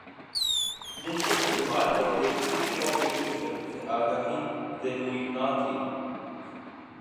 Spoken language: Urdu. جن کے استعمال کے لئے کسی اوپریٹنگ سسٹم سے آگاہی ضروری نہ تھی